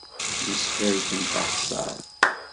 Mmesfalten taxessaṛt.